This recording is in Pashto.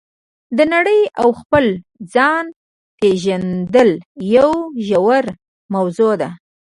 د نړۍ او خپل ځان پېژندل یوه ژوره موضوع ده.